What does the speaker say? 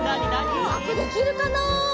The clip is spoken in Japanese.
うまくできるかな？